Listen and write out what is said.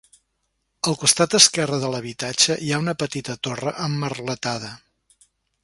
Al costat esquerre de l'habitatge hi ha una petita torre emmerletada.